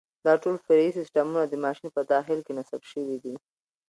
دا ټول فرعي سیسټمونه د ماشین په داخل کې نصب شوي دي.